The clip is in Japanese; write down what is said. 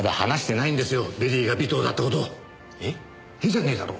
じゃねえだろ。